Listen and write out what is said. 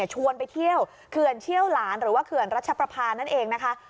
ชวนไปเที่ยวเขื่อนเชี่ยวหลานหรือว่าเขื่อนรัชประพานั่นเองนะคะ